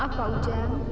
maaf pak ujan